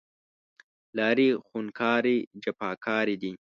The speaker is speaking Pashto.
لارې خونکارې، جفاکارې دی